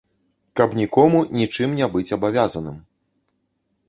Каб нікому нічым не быць абавязаным.